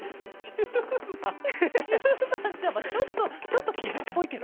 ピューマンピューマンちゃまちょっとちょっとキザっぽいケロ。